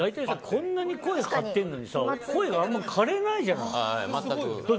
こんなに声張ってるのに声があんまりかれないじゃない。